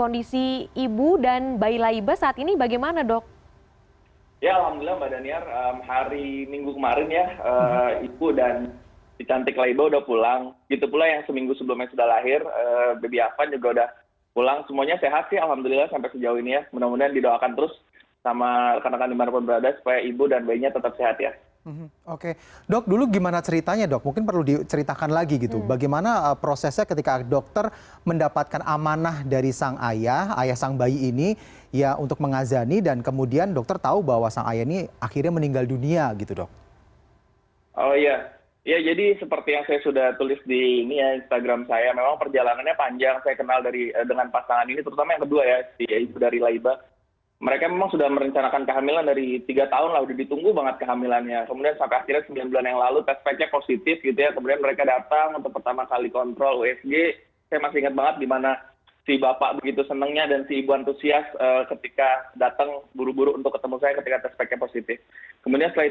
dan ini adalah kisah yang akan kita ceritakan di video selanjutnya